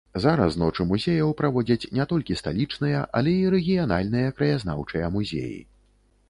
Зараз ночы музеяў праводзяць не толькі сталічныя, але і рэгіянальныя краязнаўчыя музеі.